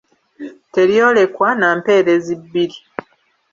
Teryolekwa na mpeerezi bbiri.